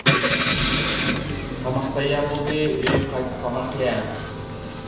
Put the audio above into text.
«تاماق تەييار بولدى، ئۆيگە قايتىپ تاماق يە» .